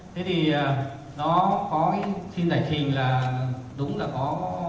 thế thì nó có cái xin giải trình là đúng là có